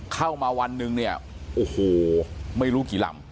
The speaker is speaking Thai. เข้ามาวันหนึ่งเนี่ยโอ้โหไม่รู้กี่ลำ